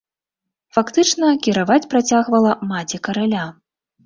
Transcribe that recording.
Фактычна кіраваць працягвала маці караля.